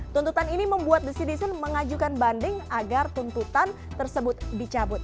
tuntutan ini membuat the citizen mengajukan banding agar tuntutan tersebut dicabut